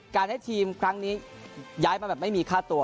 การให้ทีมครั้งนี้ย้ายมาแบบไม่มีค่าตัว